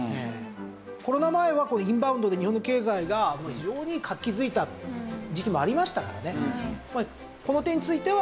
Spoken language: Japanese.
コロナ前はインバウンドで日本の経済が非常に活気づいた時期もありましたからね。